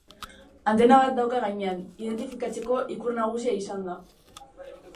Antena bat dauka gainean, identifikatzeko ikur nagusia izanda.